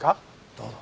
どうぞ。